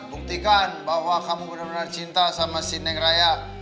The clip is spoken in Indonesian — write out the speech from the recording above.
buktikan bahwa kamu benar benar cinta sama sineng raya